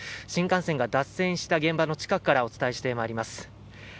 新幹線が脱線した現場の近くからお伝えします。